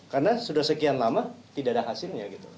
karena sudah sekian lama tidak ada hasilnya